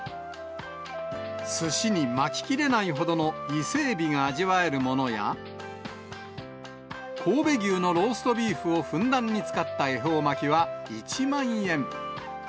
すしに巻ききれないほどの伊勢えびが味わえるものや、神戸牛のローストビーフをふんだんに使った恵方巻は１万円。